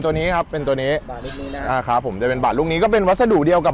ตัวนี้ครับเป็นตัวนี้บาทอ่าครับผมจะเป็นบาทลูกนี้ก็เป็นวัสดุเดียวกับ